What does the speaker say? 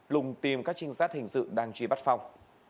lùng tìm các trinh sát hình sự đang truy bắt phong